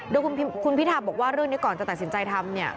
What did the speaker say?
ด้วยคุณพิทาบอกว่าเรื่องนี้ก่อนจะตัดสินใจทำ